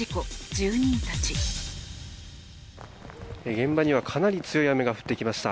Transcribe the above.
現場にはかなり強い雨が降ってきました。